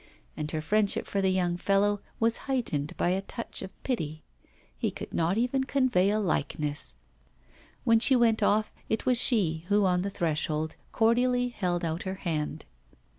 And her friendship for the young fellow was heightened by a touch of pity; he could not even convey a likeness. When she went off, it was she who on the threshold cordially held out her hand.